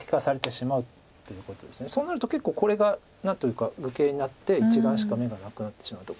そうなると結構これが何というか愚形になって１眼しか眼がなくなってしまうと。